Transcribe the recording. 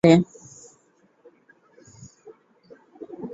তারপরেও তুমি গুলিয়ে ফেললে।